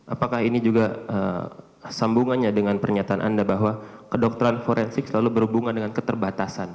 apakah ini juga sambungannya dengan pernyataan anda bahwa kedokteran forensik selalu berhubungan dengan keterbatasan